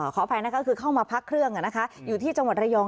ขออภัยนะคะคือเข้ามาพักเครื่องอยู่ที่จังหวัดระยอง